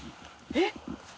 えっ！